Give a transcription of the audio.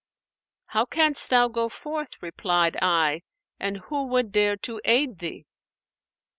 'How canst thou go forth,' replied I, 'and who would dare to aid thee?'